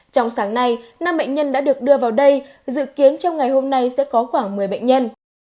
trong sáng nay năm bệnh nhân đã được đưa vào đây dự kiến trong ngày hôm nay sẽ có khoảng một mươi bệnh nhân